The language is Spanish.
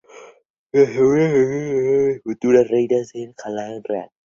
Las obreras alimentan a las larvas de futuras reinas con jalea real.